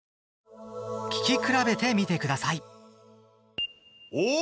聴き比べてみてください。